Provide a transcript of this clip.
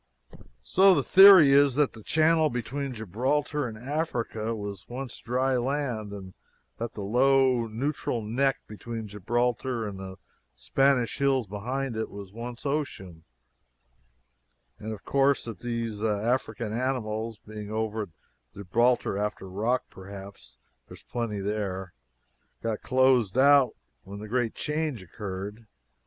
So the theory is that the channel between Gibraltar and Africa was once dry land, and that the low, neutral neck between Gibraltar and the Spanish hills behind it was once ocean, and of course that these African animals, being over at Gibraltar (after rock, perhaps there is plenty there), got closed out when the great change occurred.